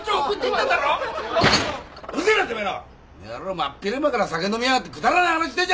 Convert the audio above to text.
真っ昼間から酒飲みやがってくだらない話してんじゃねえ！